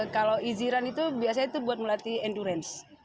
kalau easy run itu biasanya itu buat melatih endurance